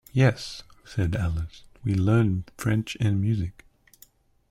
‘Yes,’ said Alice, ‘we learned French and music.’